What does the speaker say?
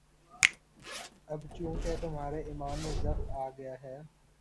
اب چونکہ تمہارے ایمان میں ضعف آ گیا ہے،